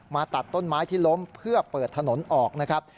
ตัดต้นไม้ที่ล้มเพื่อเปิดถนนออกนะครับ